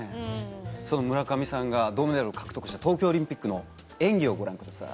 その村上さんが銅メダルを獲得した東京オリンピックの演技をご覧ください。